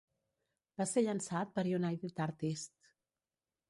Va ser llançat per United Artists.